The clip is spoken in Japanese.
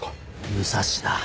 武蔵だ。